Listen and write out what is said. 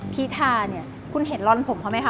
พิธาเนี่ยคุณเห็นรอนผมเขาไหมค